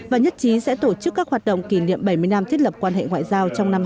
và nhất trí sẽ tổ chức các hoạt động kỷ niệm bảy mươi năm thiết lập quan hệ ngoại giao trong năm hai nghìn hai mươi